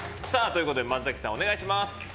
松崎さん、お願いします。